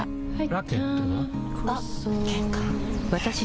ラケットは？